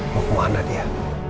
mau kemana dia